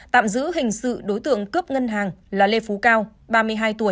tạm giữ hình sự đối tượng cướp ngân hàng là lê phú cao ba mươi hai tuổi